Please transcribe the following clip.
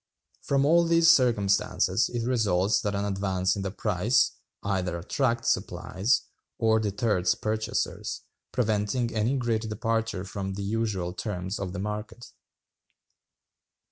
From all these circumstances it results that an advance in the price ... either attracts supplies, or deters purchasers, ... preventing any great departure from the usual terms of the market.